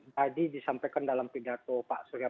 tadi disampaikan dalam pidato pak surya